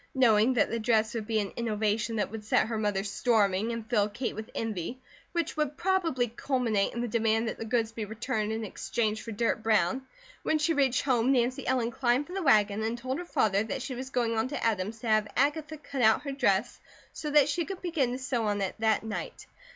Knowing that the dress would be an innovation that would set her mother storming and fill Kate with envy, which would probably culminate in the demand that the goods be returned and exchanged for dirt brown, when she reached home Nancy Ellen climbed from the wagon and told her father that she was going on to Adam's to have Agatha cut out her dress so that she could begin to sew on it that night.